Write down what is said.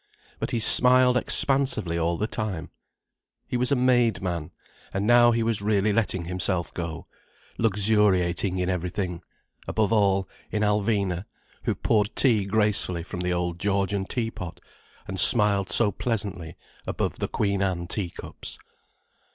But he smiled expansively all the time. He was a made man: and now he was really letting himself go, luxuriating in everything; above all, in Alvina, who poured tea gracefully from the old Georgian tea pot, and smiled so pleasantly above the Queen Anne tea cups.